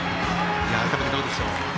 改めてどうでしょう？